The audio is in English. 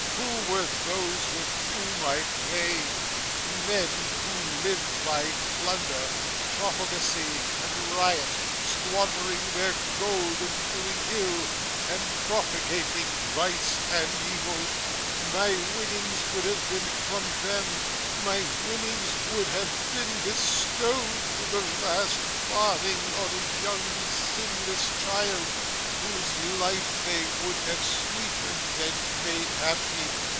Who were those with whom I played? Men who lived by plunder, profligacy, and riot; squandering their gold in doing ill, and propagating vice and evil. My winnings would have been from them, my winnings would have been bestowed to the last farthing on a young sinless child whose life they would have sweetened and made happy.